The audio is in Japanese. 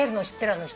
あの人。